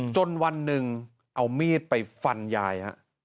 จนวันหนึ่งเอามีดไปฟันยาย